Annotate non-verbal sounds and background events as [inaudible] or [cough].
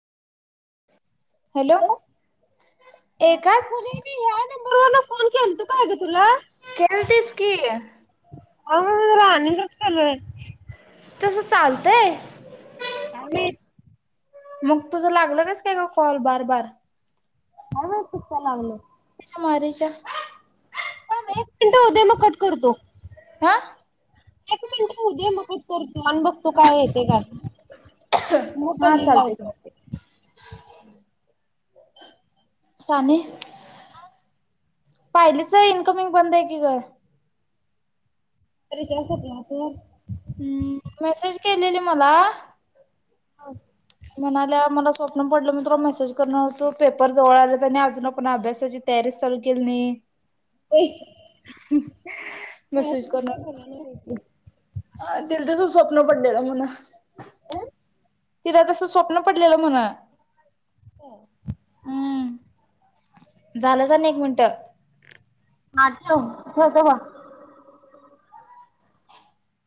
[inaudible] hello एकाच फोनवरून phone केल तो काय ग तुला केलतीस की अ राणीचच केलोय तस चालतय अमित मग तुझ लागल कस काय ग कॉल बार बार काय माहित कस काय लागल त्याच्या मारीच्या थांब एक मिनट होऊ दे मग कट करतो हा एक मिनट होऊ दे मग कट करतो आणि बघतो काय येतय काय म हा पलीला चालते लावतो चालते [inaudible] साने म पाहिली सर इन्कमिंग बंद आहे की काय अरे कसत ना तू हम् मेसेज केलेली मला ह म्हणाल्या मला स्वप्न पडलं मित्र मेसेज करणारतो पेपर जवळ आलेनी अजून कोण अभ्यासाची तयारी लू केली नाही हो नाही त काय ना ह ते तच स्वप्न पडलेलं म्हणा तिला तस स्वप्न पडलेलं म्हण हो झालं जा नाही एक मिनट हाछव च स ब